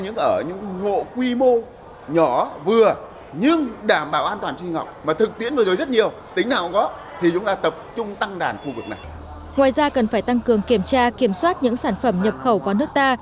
ngoài ra cần phải tăng cường kiểm tra kiểm soát những sản phẩm nhập khẩu vào nước ta